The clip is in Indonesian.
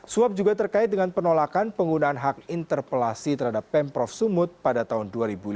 suap juga terkait dengan penolakan penggunaan hak interpelasi terhadap pemprov sumut pada tahun dua ribu lima belas